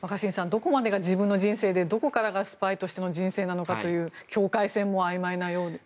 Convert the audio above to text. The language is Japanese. どこまでが自分の人生でどこからがスパイとしての人生なのかという境界線もあいまいなようで。